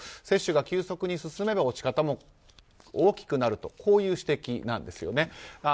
接種が急速に進めば落ち方も大きくなるという指摘なんですね。